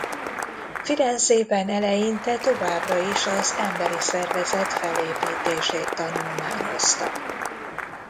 Firenzében eleinte továbbra is az emberi szervezet felépítését tanulmányozta.